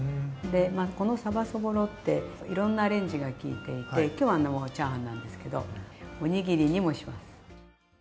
このさばそぼろっていろんなアレンジがきいていて今日はチャーハンなんですけどおにぎりにもします。